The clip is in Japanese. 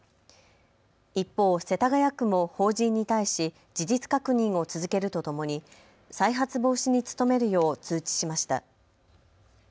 一方、世田谷区も法人に対し事実確認を続けるとともに再発防止に努めるよう通知しました。